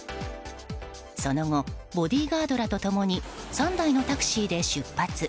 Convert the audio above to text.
その後、ボディーガードらと共に３台のタクシーで出発。